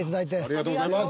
ありがとうございます！